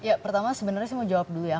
ya pertama sebenarnya saya mau jawab dulu ya